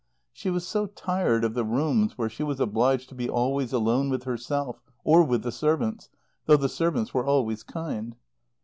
She was so tired of the rooms where she was obliged to be always alone with herself or with the servants, though the servants were always kind.